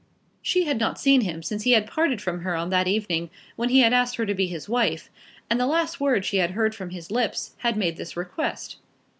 She had not seen him since he had parted from her on that evening when he had asked her to be his wife, and the last words she had heard from his lips had made this request.